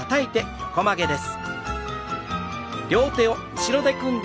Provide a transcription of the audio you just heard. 横曲げです。